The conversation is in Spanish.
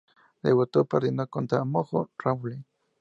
Debutó perdiendo contra Mojo Rawley.